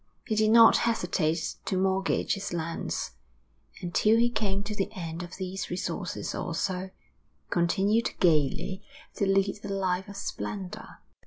He did not hesitate to mortgage his lands, and till he came to the end of these resources also, continued gaily to lead a life of splendour.